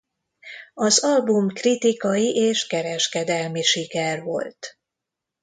Az album kritikai és kereskedelmi siker volt.